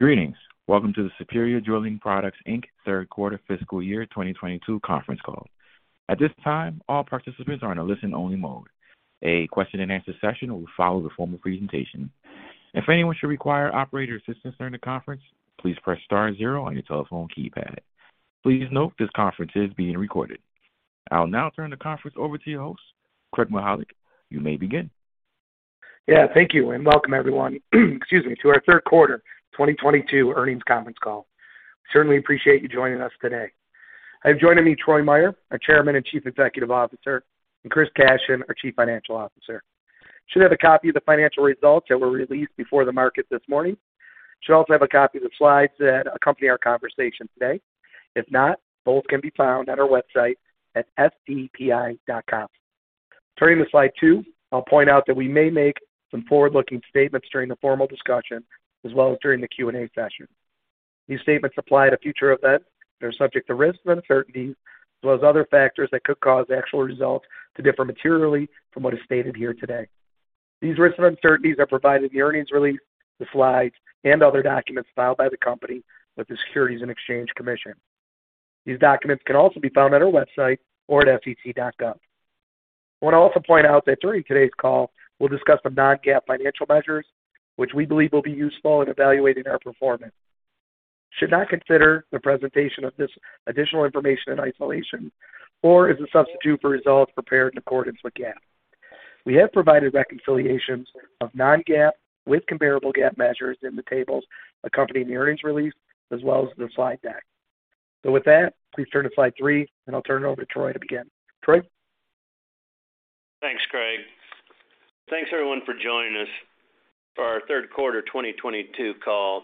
Greetings. Welcome to the Superior Drilling Products, Inc Third Quarter Fiscal Year 2022 Conference Call. At this time, all participants are in a listen-only mode. A question-and-answer session will follow the formal presentation. If anyone should require operator assistance during the conference, please press star zero on your telephone keypad. Please note this conference is being recorded. I'll now turn the conference over to your host, Craig Mychajluk. You may begin. Yeah, thank you, and welcome everyone, excuse me, to our Third Quarter 2022 Earnings Conference Call. Certainly appreciate you joining us today. I have joining me Troy Meier, our Chairman and Chief Executive Officer, and Christopher Cashion, our Chief Financial Officer. You should have a copy of the financial results that were released before the market this morning. You should also have a copy of the slides that accompany our conversation today. If not, both can be found on our website at sdpi.com. Turning to Slide 2, I'll point out that we may make some forward-looking statements during the formal discussion as well as during the Q&A session. These statements apply to future events that are subject to risks and uncertainties, as well as other factors that could cause actual results to differ materially from what is stated here today. These risks and uncertainties are provided in the earnings release, the slides, and other documents filed by the company with the Securities and Exchange Commission. These documents can also be found at our website or at sec.gov. I wanna also point out that during today's call, we'll discuss some non-GAAP financial measures which we believe will be useful in evaluating our performance. You should not consider the presentation of this additional information in isolation or as a substitute for results prepared in accordance with GAAP. We have provided reconciliations of non-GAAP with comparable GAAP measures in the tables accompanying the earnings release, as well as the slide deck. With that, please turn to Slide 3, and I'll turn it over to Troy to begin. Troy? Thanks, Craig. Thanks everyone for joining us for our third quarter 2022 call.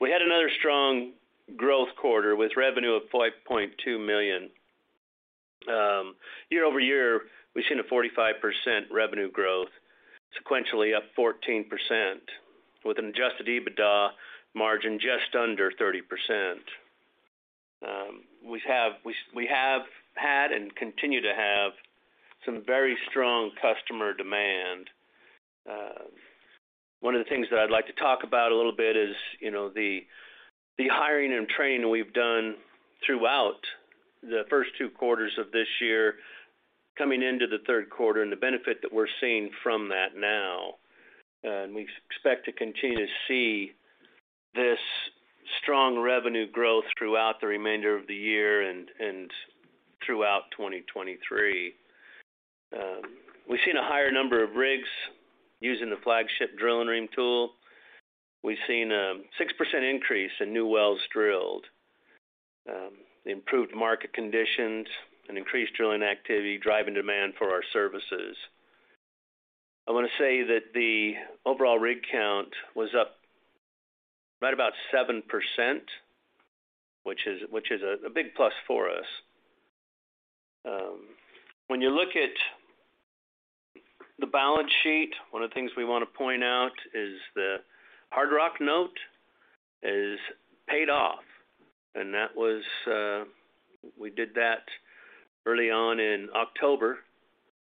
We had another strong growth quarter with revenue of $5.2 million. Year-over-year, we've seen a 45% revenue growth, sequentially up 14% with an Adjusted EBITDA margin just under 30%. We have had and continue to have some very strong customer demand. One of the things that I'd like to talk about a little bit is, you know, the hiring and training we've done throughout the first two quarters of this year coming into the third quarter and the benefit that we're seeing from that now. We expect to continue to see this strong revenue growth throughout the remainder of the year and throughout 2023. We've seen a higher number of rigs using the flagship Drill-N-Ream tool. We've seen a 6% increase in new wells drilled. The improved market conditions and increased drilling activity driving demand for our services. I wanna say that the overall rig count was up right about 7%, which is a big plus for us. When you look at the balance sheet, one of the things we wanna point out is the Hard Rock note is paid off, and that was, we did that early on in October.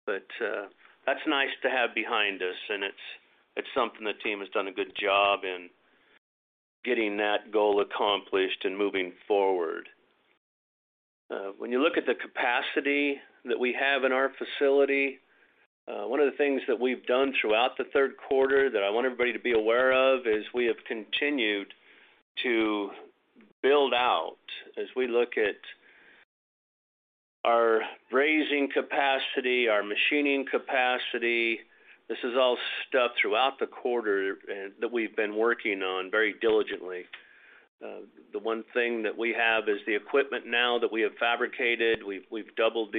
That's nice to have behind us, and it's something the team has done a good job in getting that goal accomplished and moving forward. When you look at the capacity that we have in our facility, one of the things that we've done throughout the third quarter that I want everybody to be aware of is we have continued to build out as we look at our Brazing capacity, our machining capacity. This is all stuff throughout the quarter that we've been working on very diligently. The one thing that we have is the equipment now that we have fabricated. We've doubled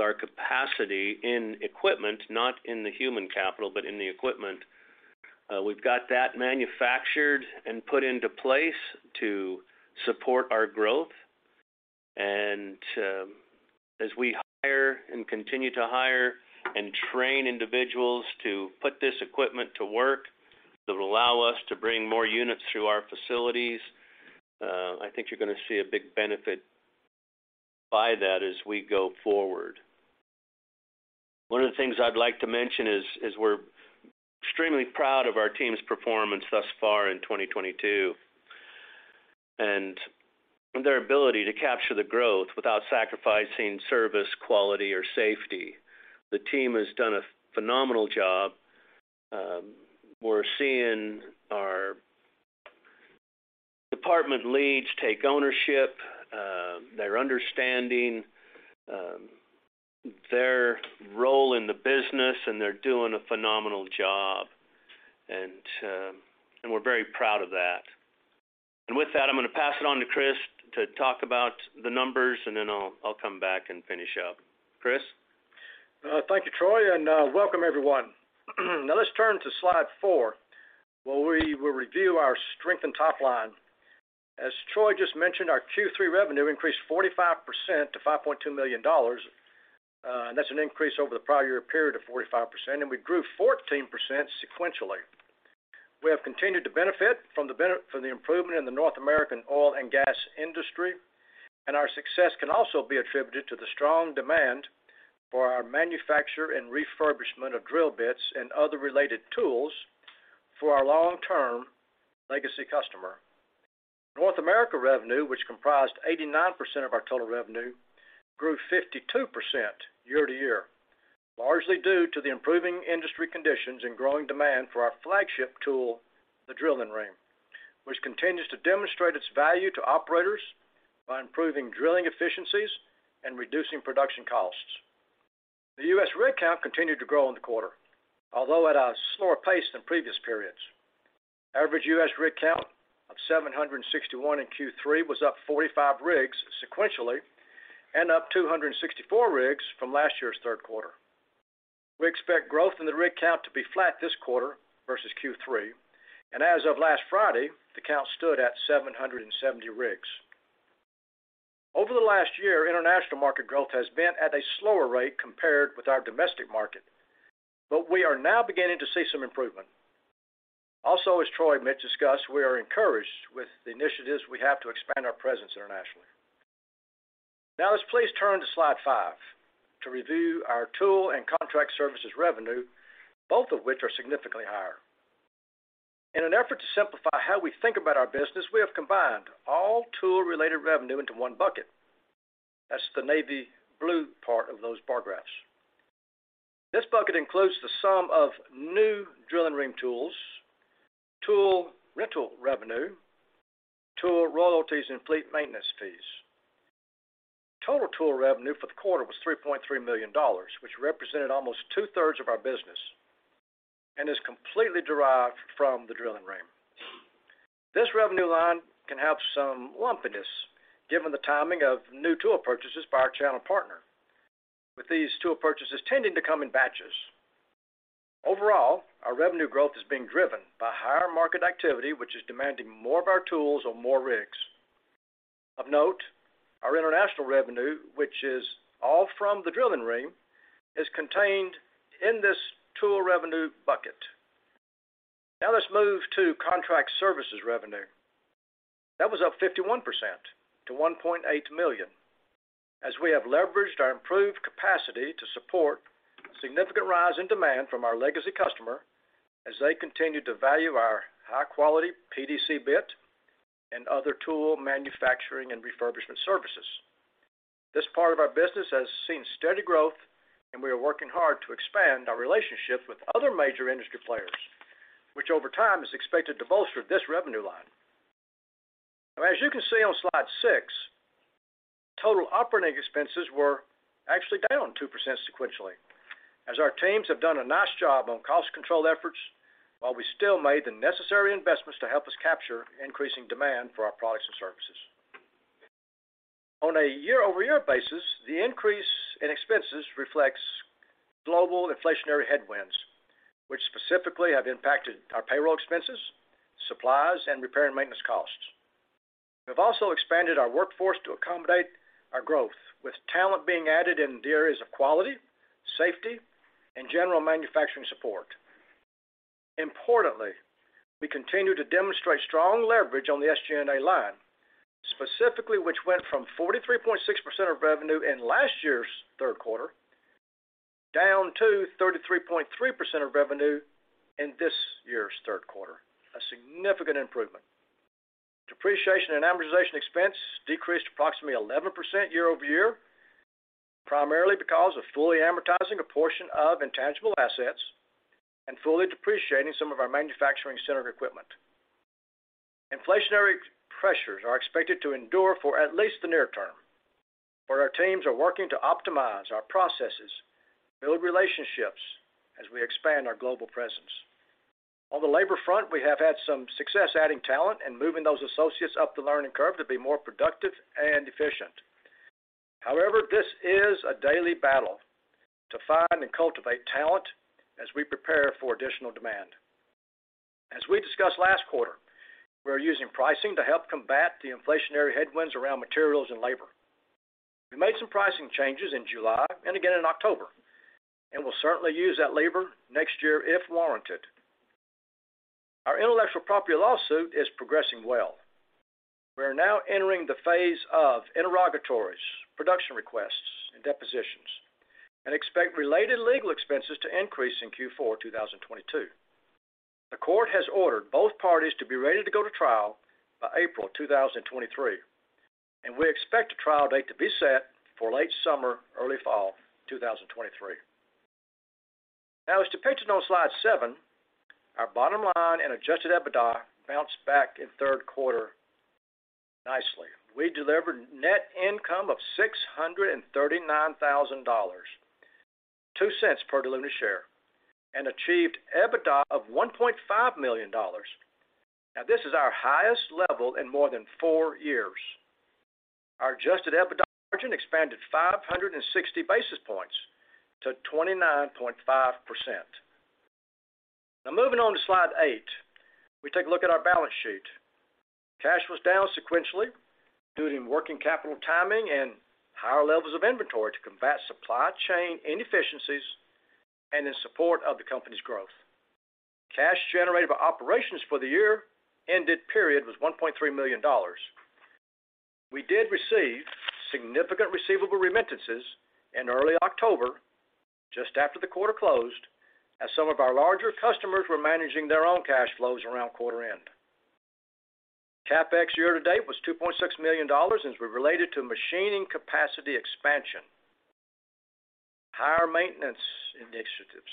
our capacity in equipment, not in the human capital, but in the equipment. We've got that manufactured and put into place to support our growth. As we hire and continue to hire and train individuals to put this equipment to work, that'll allow us to bring more units through our facilities, I think you're gonna see a big benefit by that as we go forward. One of the things I'd like to mention is we're extremely proud of our team's performance thus far in 2022 and their ability to capture the growth without sacrificing service, quality, or safety. The team has done a phenomenal job. We're seeing our department leads take ownership. They're understanding their role in the business, and they're doing a phenomenal job, and we're very proud of that. With that, I'm gonna pass it on to Chris to talk about the numbers, and then I'll come back and finish up. Chris? Thank you, Troy, and welcome everyone. Now let's turn to Slide 4, where we will review our strengthened top line. As Troy just mentioned, our Q3 revenue increased 45% to $5.2 million. That's an increase over the prior year period of 45%, and we grew 14% sequentially. We have continued to benefit from the improvement in the North American oil and gas industry. Our success can also be attributed to the strong demand for our manufacture and refurbishment of drill bits and other related tools for our long-term legacy customer. North America revenue, which comprised 89% of our total revenue, grew 52% year-over-year, largely due to the improving industry conditions and growing demand for our flagship tool, the Drill-N-Ream, which continues to demonstrate its value to operators by improving drilling efficiencies and reducing production costs. The U.S. rig count continued to grow in the quarter, although at a slower pace than previous periods. Average U.S. rig count of 761 in Q3 was up 45 rigs sequentially and up 264 rigs from last year's third quarter. We expect growth in the rig count to be flat this quarter versus Q3, and as of last Friday, the count stood at 770 rigs. Over the last year, international market growth has been at a slower rate compared with our domestic market, but we are now beginning to see some improvement. Also, as Troy Meier discussed, we are encouraged with the initiatives we have to expand our presence internationally. Now let's please turn to Slide 5 to review our tool and contract services revenue, both of which are significantly higher. In an effort to simplify how we think about our business, we have combined all tool-related revenue into one bucket. That's the navy blue part of those bar graphs. This bucket includes the sum of new drilling rig tools, tool rental revenue, tool royalties and fleet maintenance fees. Total tool revenue for the quarter was $3.3 million, which represented almost two-thirds of our business and is completely derived from the drilling rig. This revenue line can have some lumpiness given the timing of new tool purchases by our channel partner, with these tool purchases tending to come in batches. Overall, our revenue growth is being driven by higher market activity, which is demanding more of our tools on more rigs. Of note, our international revenue, which is all from the drilling rig, is contained in this tool revenue bucket. Now let's move to contract services revenue. That was up 51% to $1.8 million as we have leveraged our improved capacity to support significant rise in demand from our legacy customer as they continue to value our high-quality PDC bit and other tool manufacturing and refurbishment services. This part of our business has seen steady growth, and we are working hard to expand our relationship with other major industry players, which over time is expected to bolster this revenue line. As you can see on Slide 6, total operating expenses were actually down 2% sequentially as our teams have done a nice job on cost control efforts while we still made the necessary investments to help us capture increasing demand for our products and services. On a year-over-year basis, the increase in expenses reflects global inflationary headwinds, which specifically have impacted our payroll expenses, supplies, and repair and maintenance costs. We've also expanded our workforce to accommodate our growth, with talent being added in the areas of quality, safety, and general manufacturing support. Importantly, we continue to demonstrate strong leverage on the SG&A line, specifically which went from 43.6% of revenue in last year's third quarter down to 33.3% of revenue in this year's third quarter. A significant improvement. Depreciation and amortization expense decreased approximately 11% year-over-year, primarily because of fully amortizing a portion of intangible assets and fully depreciating some of our manufacturing center equipment. Inflationary pressures are expected to endure for at least the near term, while our teams are working to optimize our processes, build relationships as we expand our global presence. On the labor front, we have had some success adding talent and moving those associates up the learning curve to be more productive and efficient. However, this is a daily battle to find and cultivate talent as we prepare for additional demand. As we discussed last quarter, we are using pricing to help combat the inflationary headwinds around materials and labor. We made some pricing changes in July and again in October, and we'll certainly use that lever next year if warranted. Our intellectual property lawsuit is progressing well. We are now entering the phase of interrogatories, production requests, and depositions, and expect related legal expenses to increase in Q4 2022. The court has ordered both parties to be ready to go to trial by April 2023, and we expect the trial date to be set for late summer, early fall 2023. Now, as depicted on Slide 7, our bottom line and Adjusted EBITDA bounced back in third quarter nicely. We delivered net income of $639,000, $0.02 per diluted share, and achieved EBITDA of $1.5 million. Now, this is our highest level in more than four years. Our Adjusted EBITDA margin expanded 560 basis points to 29.5%. Now moving on to Slide 8, we take a look at our balance sheet. Cash was down sequentially due to working capital timing and higher levels of inventory to combat supply chain inefficiencies and in support of the company's growth. Cash generated by operations for the year ended period was $1.3 million. We did receive significant receivable remittances in early October just after the quarter closed, as some of our larger customers were managing their own cash flows around quarter end. CapEx year to date was $2.6 million and was related to machining capacity expansion, higher maintenance initiatives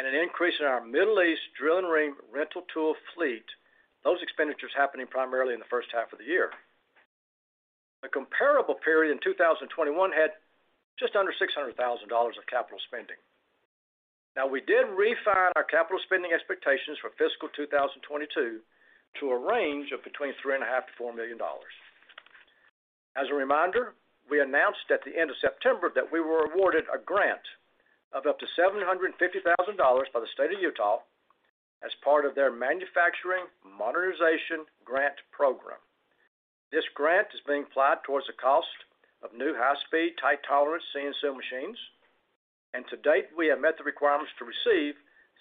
and an increase in our Middle East drilling rig rental tool fleet. Those expenditures happening primarily in the first half of the year. The comparable period in 2021 had just under $600,000 of capital spending. Now we did refine our capital spending expectations for fiscal 2022 to a range of between $3.5 million to $4 million. As a reminder, we announced at the end of September that we were awarded a grant of up to $750,000 by the state of Utah as part of their Manufacturing Modernization Grant program. This grant is being applied towards the cost of new high-speed, tight tolerance CNC machines. To date, we have met the requirements to receive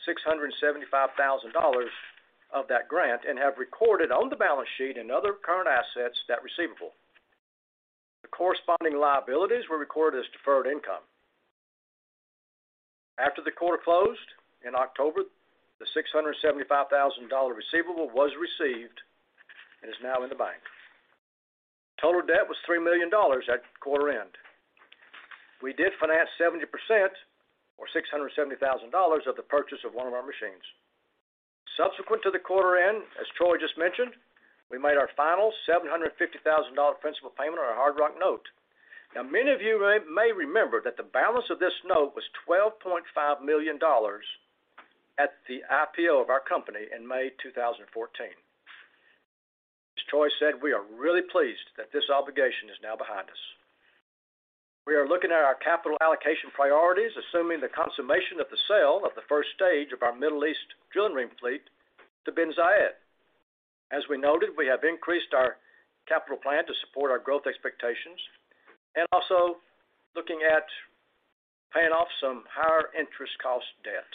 $675,000 of that grant and have recorded on the balance sheet and other current assets that receivable. The corresponding liabilities were recorded as deferred income. After the quarter closed in October, the $675,000 receivable was received and is now in the bank. Total debt was $3 million at quarter end. We did finance 70% or $670,000 of the purchase of one of our machines. Subsequent to the quarter end, as Troy just mentioned, we made our final $750,000 principal payment on our Hard Rock Note. Now many of you may remember that the balance of this note was $12.5 million at the IPO of our company in May 2014. As Troy said, we are really pleased that this obligation is now behind us. We are looking at our capital allocation priorities, assuming the consummation of the sale of the first stage of our Middle East drill and rig fleet to Bin Zayed. As we noted, we have increased our capital plan to support our growth expectations and also looking at paying off some higher interest cost debt.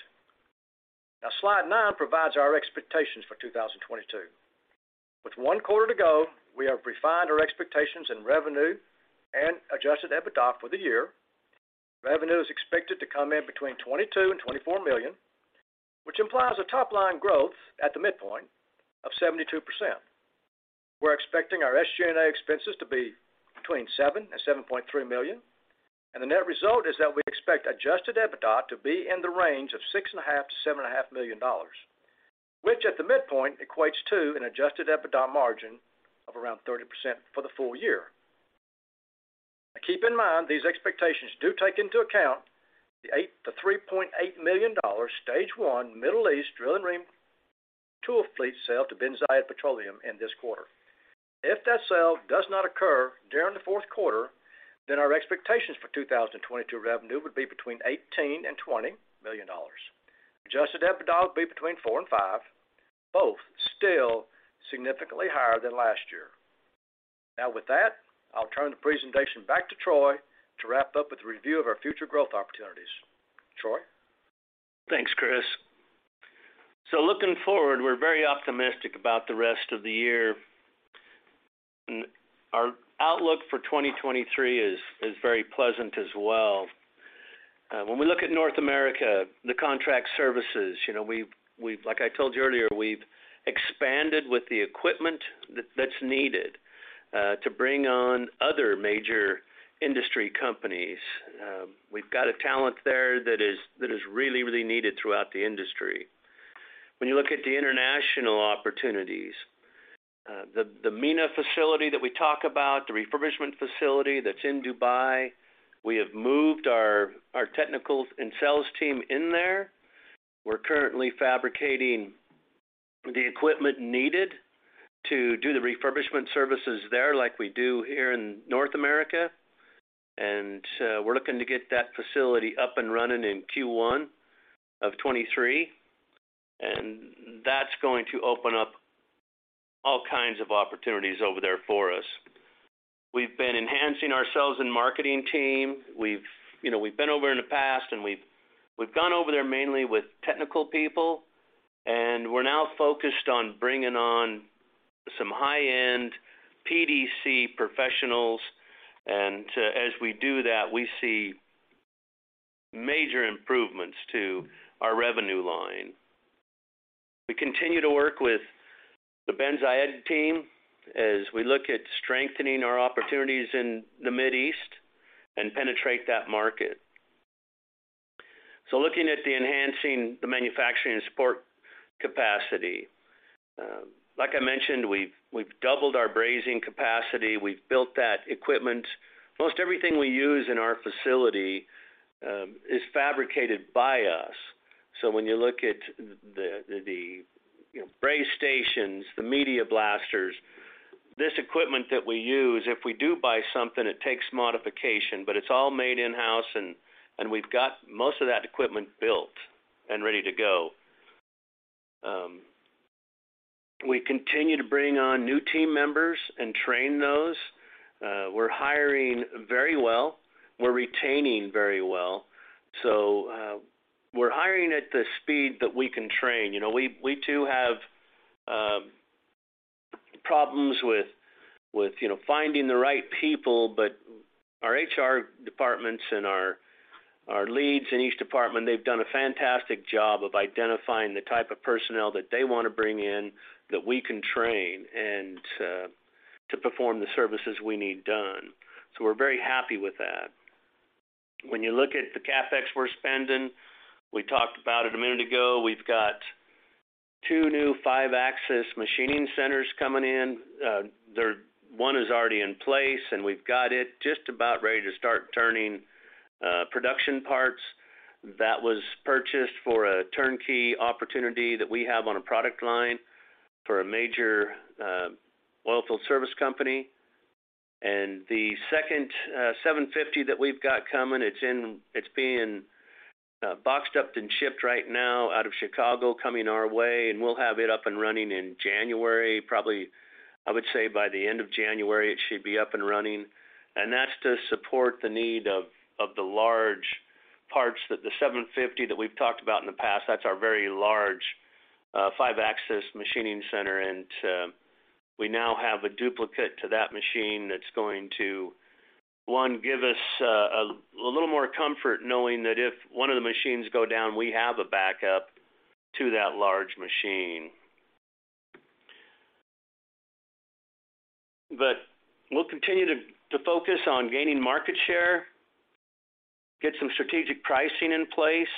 Now Slide 9 provides our expectations for 2022. With one quarter to go, we have refined our expectations in revenue and Adjusted EBITDA for the year. Revenue is expected to come in between $22 and $24 million, which implies a top line growth at the midpoint of 72%. We're expecting our SG&A expenses to be between $7 and $7.3 million. The net result is that we expect Adjusted EBITDA to be in the range of $6.5 million to $7.5 million, which at the midpoint equates to an Adjusted EBITDA margin of around 30% for the full-year. Keep in mind, these expectations do take into account the $3.8 million stage one Middle East drill and rig tool fleet sale to Bin Zayed Petroleum in this quarter. If that sale does not occur during the fourth quarter, then our expectations for 2022 revenue would be between $18 million and $20 million. Adjusted EBITDA will be between $4 million and $5 million, both still significantly higher than last year. Now with that, I'll turn the presentation back to Troy to wrap up with a review of our future growth opportunities. Troy? Thanks, Chris. Looking forward, we're very optimistic about the rest of the year. Our outlook for 2023 is very pleasant as well. When we look at North America, the contract services, you know, like I told you earlier, we've expanded with the equipment that's needed to bring on other major industry companies. We've got a talent there that is really needed throughout the industry. When you look at the international opportunities, the MENA facility that we talk about, the refurbishment facility that's in Dubai, we have moved our technical and sales team in there. We're currently fabricating the equipment needed to do the refurbishment services there like we do here in North America. We're looking to get that facility up and running in Q1 of 2023. That's going to open up all kinds of opportunities over there for us. We've been enhancing our sales and marketing team. We've been over in the past, and we've gone over there mainly with technical people, and we're now focused on bringing on some high-end PDC professionals. As we do that, we see major improvements to our revenue line. We continue to work with the Bin Zayed team as we look at strengthening our opportunities in the Middle East and penetrate that market. Looking at enhancing the manufacturing and support capacity. Like I mentioned, we've doubled our Brazing capacity. We've built that equipment. Most everything we use in our facility is fabricated by us. When you look at the you know, braze stations, the media blasters, this equipment that we use, if we do buy something, it takes modification, but it's all made in-house, and we've got most of that equipment built and ready to go. We continue to bring on new team members and train those. We're hiring very well. We're retaining very well. We're hiring at the speed that we can train. You know, we do have problems with you know, finding the right people. Our HR departments and our leads in each department, they've done a fantastic job of identifying the type of personnel that they want to bring in, that we can train and to perform the services we need done. We're very happy with that. When you look at the CapEx we're spending, we talked about it a minute ago. We've got two new five-axis machining centers coming in. One is already in place, and we've got it just about ready to start turning production parts that was purchased for a turnkey opportunity that we have on a product line for a major oilfield service company. The second, 750 that we've got coming, It's being boxed up and shipped right now out of Chicago, coming our way, and we'll have it up and running in January probably. I would say by the end of January, it should be up and running. That's to support the need of the large parts that the 750 that we've talked about in the past. That's our very large, five-axis machining center. We now have a duplicate to that machine that's going to, one, give us a little more comfort knowing that if one of the machines go down, we have a backup to that large machine. We'll continue to focus on gaining market share, get some strategic pricing in place,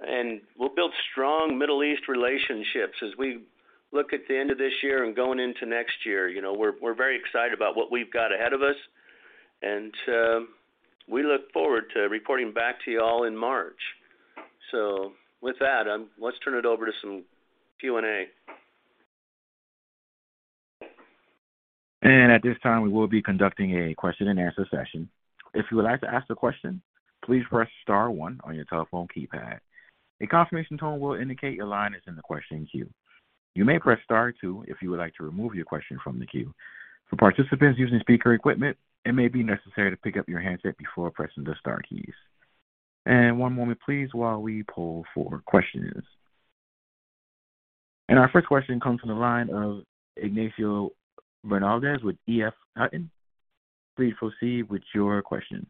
and we'll build strong Middle East relationships as we look at the end of this year and going into next year. You know, we're very excited about what we've got ahead of us, and we look forward to reporting back to you all in March. With that, let's turn it over to some Q&A. At this time, we will be conducting a question-and-answer session. If you would like to ask a question, please press star one on your telephone keypad. A confirmation tone will indicate your line is in the question queue. You may press star two if you would like to remove your question from the queue. For participants using speaker equipment, it may be necessary to pick up your handset before pressing the star keys. One moment please while we poll for questions. Our first question comes from the line of Ignacio Bernaldez with EF Hutton. Please proceed with your question.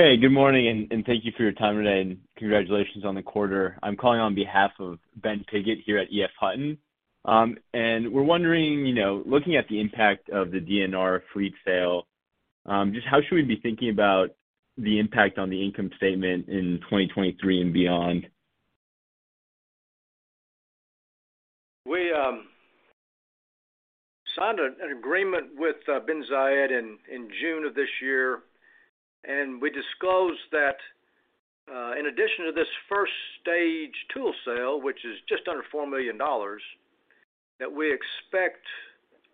Hey, good morning, and thank you for your time today, and congratulations on the quarter. I'm calling on behalf of Benjamin Piggott here at EF Hutton. We're wondering, you know, looking at the impact of the DNR fleet sale, just how should we be thinking about the impact on the income statement in 2023 and beyond? We signed an agreement with Bin Zayed in June of this year. We disclosed that in addition to this first-stage tool sale, which is just under $4 million, that we expect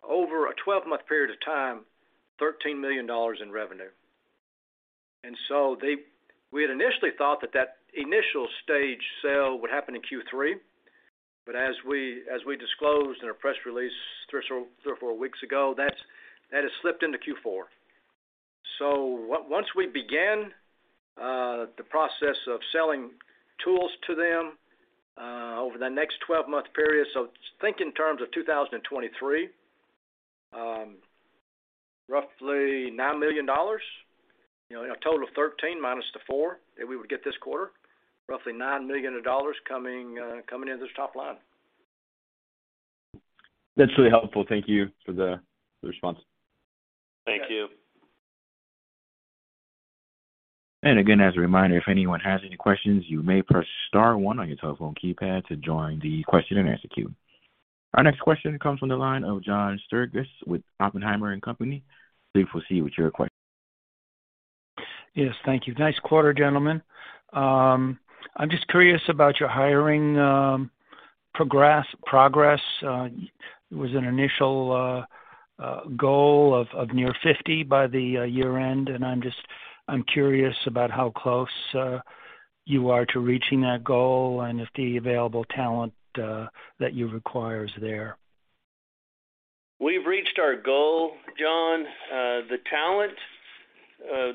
over a 12-month period of time, $13 million in revenue. We had initially thought that initial stage sale would happen in Q3. But as we disclosed in a press release three or four weeks ago, that has slipped into Q4. Once we begin the process of selling tools to them over the next 12-month period. Think in terms of 2023, roughly $9 million. You know, in a total of 13 minus the 4 that we would get this quarter, roughly $9 million coming into this top line. That's really helpful. Thank you for the response. Thank you. Again, as a reminder, if anyone has any questions, you may press star one on your telephone keypad to join the question-and-answer queue. Our next question comes from the line of John Sturges with Oppenheimer & Co. Please proceed with your question. Yes, thank you. Nice quarter, gentlemen. I'm just curious about your hiring progress. There was an initial goal of near 50 by the year-end, and I'm curious about how close you are to reaching that goal and if the available talent that you require is there? We've reached our goal, John. The talent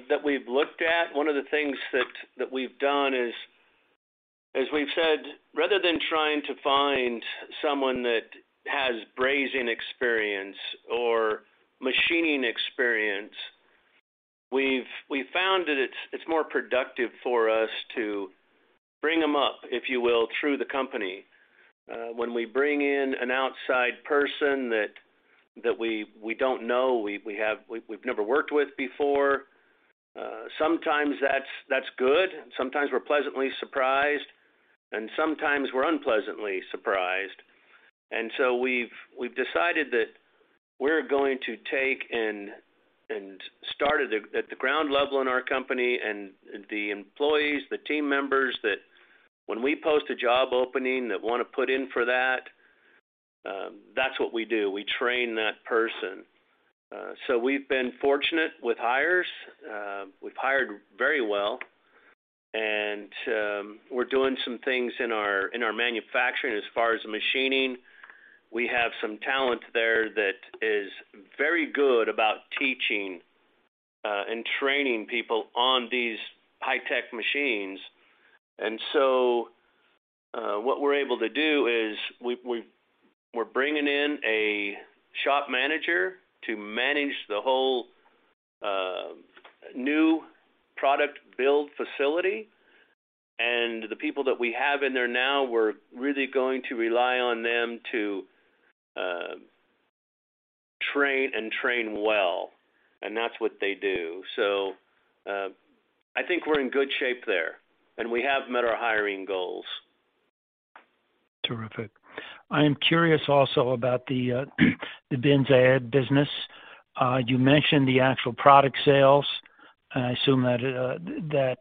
that we've looked at, one of the things that we've done is, as we've said, rather than trying to find someone that has Brazing experience or machining experience, we found that it's more productive for us to bring them up, if you will, through the company. When we bring in an outside person that we don't know, we've never worked with before, sometimes that's good. Sometimes we're pleasantly surprised, and sometimes we're unpleasantly surprised. We've decided that we're going to take and start at the ground level in our company and the employees, the team members that when we post a job opening that want to put in for that's what we do. We train that person. We've been fortunate with hires. We've hired very well. We're doing some things in our manufacturing as far as machining. We have some talent there that is very good about teaching and training people on these high-tech machines. What we're able to do is we're bringing in a shop manager to manage the whole new product build facility. The people that we have in there now, we're really going to rely on them to train well, and that's what they do. I think we're in good shape there, and we have met our hiring goals. Terrific. I am curious also about the Bin Zayed business. You mentioned the actual product sales. I assume that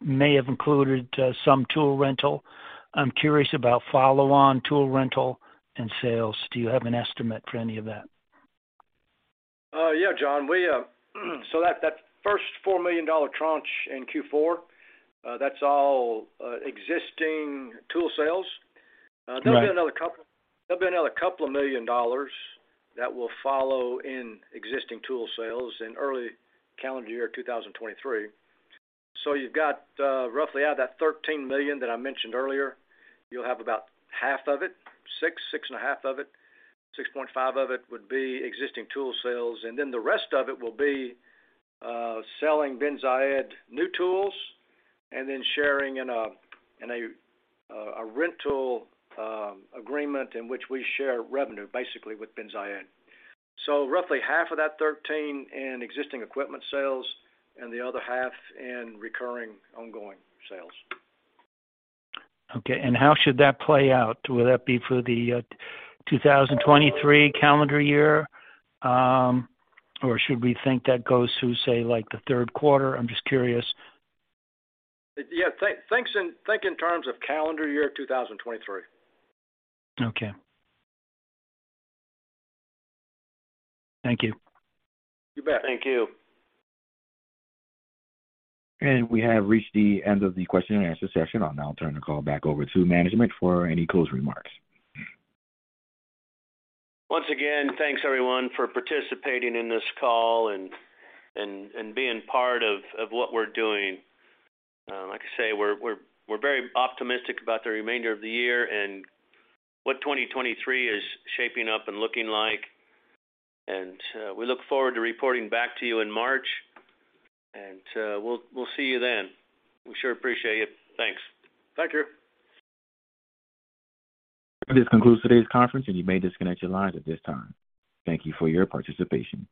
may have included some tool rental. I'm curious about follow-on tool rental and sales. Do you have an estimate for any of that? Yeah, John. That first $4 million Tranche in Q4, that's all existing tool sales. There'll be another couple $1 million dollars that will follow in existing tool sales in early calendar year 2023. You've got, roughly out of that $13 million that I mentioned earlier, you'll have about half of it, 6.5 of it. 6.5 of it would be existing tool sales, and then the rest of it will be, selling Bin Zayed new tools and then sharing in a rental agreement in which we share revenue basically with Bin Zayed. Roughly half of that $13 million in existing equipment sales and the other half in recurring ongoing sales. Okay. How should that play out? Will that be for the 2023 calendar year, or should we think that goes through, say, like, the third quarter? I'm just curious. Yeah. Think in terms of calendar year 2023. Okay. Thank you. You bet. Thank you. We have reached the end of the question and answer session. I'll now turn the call back over to management for any close remarks. Once again, thanks everyone for participating in this call and being part of what we're doing. Like I say, we're very optimistic about the remainder of the year and what 2023 is shaping up and looking like. We look forward to reporting back to you in March, and we'll see you then. We sure appreciate it. Thanks. Thank you. This concludes today's conference, and you may disconnect your lines at this time. Thank you for your participation.